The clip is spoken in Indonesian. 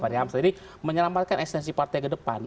jadi menyelamatkan eksistensi partai ke depan